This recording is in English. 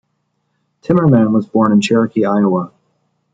Timmerman was born in Cherokee, Iowa.